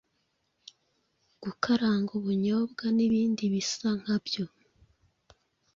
gukaranga ubunyobwa n’ibindi bias nkabyo